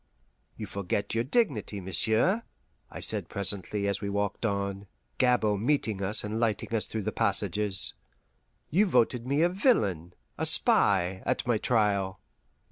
"You forget your dignity, monsieur," I said presently as we walked on, Gabord meeting us and lighting us through the passages; "you voted me a villain, a spy, at my trial!"